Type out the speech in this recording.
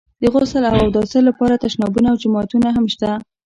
د غسل او اوداسه لپاره تشنابونه او جومات هم شته.